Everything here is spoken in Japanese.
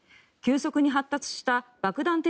急速に発達した爆弾